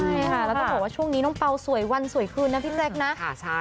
ใช่ค่ะแล้วก็บอกว่าช่วงนี้น้องเป๋าสวยวันสวยขึ้นนะพี่แด็กซ์นะ